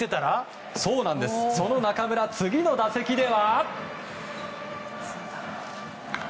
その中村次の打席では。